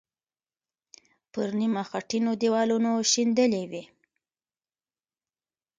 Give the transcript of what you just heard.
پر نیمه خټینو دیوالونو شیندلې وې.